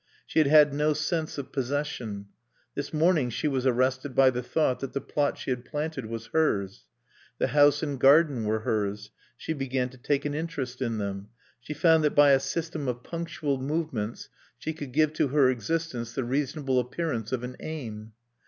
She had had no sense of possession. This morning she was arrested by the thought that the plot she had planted was hers. The house and garden were hers. She began to take an interest in them. She found that by a system of punctual movements she could give to her existence the reasonable appearance of an aim.